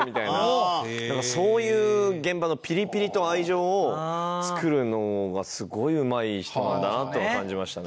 そういう現場のピリピリと愛情を作るのがすごいうまい人なんだなとは感じましたね。